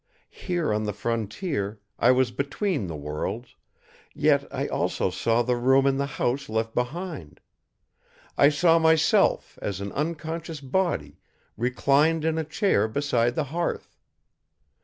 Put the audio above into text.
Here on the Frontier, I was between the worlds, yet I also saw the room in the house left behind. I saw myself as an unconscious body reclined in a chair beside the hearth.